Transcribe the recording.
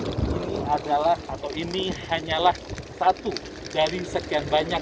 ini adalah atau ini hanyalah satu dari sekian banyak